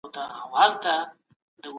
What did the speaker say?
که ښوونکی مثبت وي، زده کوونکی نه مایوسه کېږي.